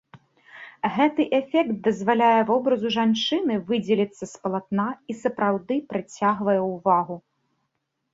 Гэты эфект дазваляе вобразу жанчыны выдзеліцца з палатна і сапраўды прыцягвае ўвагу.